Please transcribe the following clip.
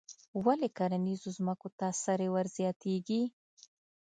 ولې کرنیزو ځمکو ته سرې ور زیاتیږي؟